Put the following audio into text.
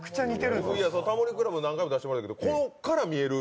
「タモリ倶楽部」何回も出してもらってるけど、ここから見える